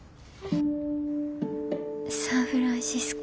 サンフランシスコ